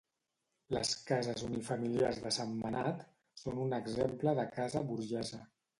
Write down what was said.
Les cases unifamiliars de Sentmenat són un exemple de casa burgesa.